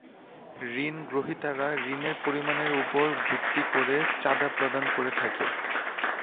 ঋণ গ্রহীতারা ঋণের পরিমাণের ওপর ভিত্তি করে চাঁদা প্রদান করে থাকে।